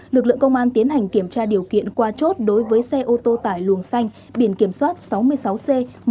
lực lượng công an tiến hành kiểm tra điều kiện qua chốt đối với xe ô tô tải luồng xanh biển kiểm soát sáu mươi sáu c một mươi một nghìn sáu trăm một mươi hai